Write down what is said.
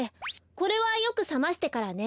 これはよくさましてからね。